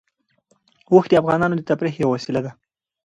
اوښ د افغانانو د تفریح یوه وسیله ده.